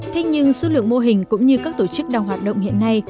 thế nhưng số lượng mô hình cũng như các tổ chức đang hoạt động hiện nay